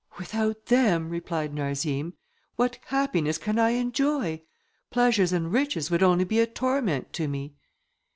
"Without them," replied Narzim, "what happiness can I enjoy? Pleasures and riches would only be a torment to me."